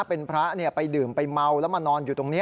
เป็นพระไปดื่มไปเมาแล้วมานอนอยู่ตรงนี้